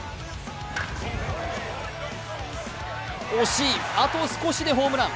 惜しい、あと少しでホームラン。